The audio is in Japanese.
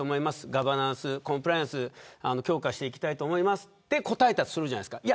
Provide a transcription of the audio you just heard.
ガバナンス、コンプライアンス強化していきたいと思いますと答えたとするじゃないですか。